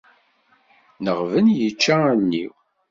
Leɣben ičča allen-iw.